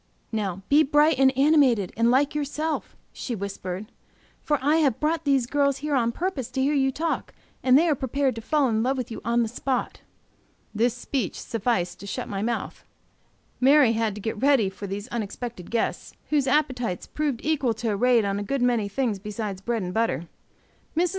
"Now be bright and animated, and like yourself," she whispered, "for I have brought these girls here on purpose to hear you talk, and they are prepared to fall in love with you on the spot." This speech sufficed to shut my mouth. Mary had to get ready for these unexpected guests, whose appetites proved equal to a raid on a good many things besides bread and butter. Mrs.